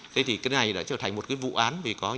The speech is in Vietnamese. thế thì cái này đã trở thành một cái vụ án